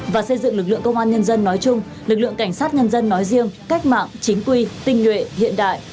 và xây dựng lực lượng công an nhân dân nói chung lực lượng cảnh sát nhân dân nói riêng cách mạng chính quy tinh nguyện hiện đại